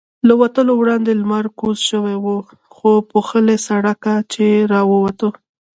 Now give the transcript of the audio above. له وتلو وړاندې لمر کوز شوی و، له پوښلي سړکه چې را ووتو.